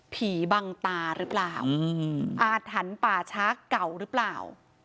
บังตาหรือเปล่าอาถรรพ์ป่าช้าเก่าหรือเปล่า